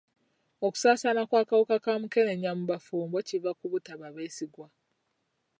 Okusaasaana kw'akaawuka ka mukenenya mu bafumbo kiva ku butaba beesigwa.